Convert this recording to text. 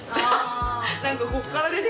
・何かこっから出て。